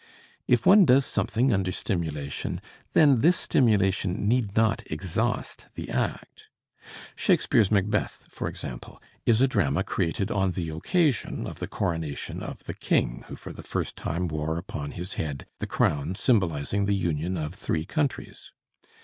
If one does something under stimulation, then this stimulation need not exhaust the act. Shakespeare's Macbeth, for example, is a drama created on the occasion of the coronation of the King who for the first time wore upon his head the crown symbolizing the union of three countries.